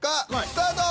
スタート！